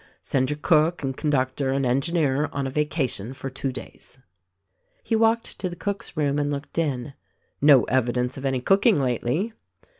"Send your cook and conductor and engineer on a vaca tion for two days." He walked to the cook's room and looked in. "No evidence of any cooking lately!"